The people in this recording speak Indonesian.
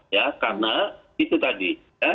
ya karena itu tadi